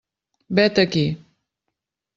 Vet aquí.